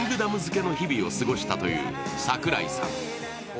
漬けの日々を過ごしたという桜井さん。